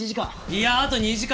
いやあと２時間！